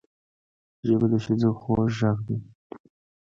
ژبه د ښځې خوږ غږ دی